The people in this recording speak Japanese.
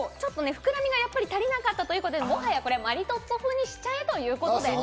膨らみがやっぱり足りなかったということで、もはやマリトッツォ風にしちゃえということで。